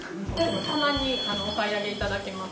・たまにお買い上げいただきます。